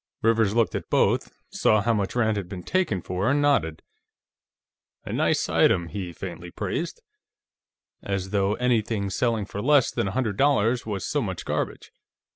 Rivers looked at both, saw how much Rand had been taken for, and nodded. "A nice item," he faintly praised, as though anything selling for less than a hundred dollars was so much garbage.